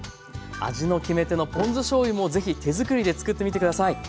味の決め手のポン酢しょうゆも是非手作りで作ってみて下さい。